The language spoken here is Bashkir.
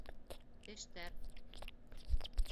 Тештәр